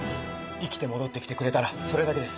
生きて戻ってきてくれたらそれだけです。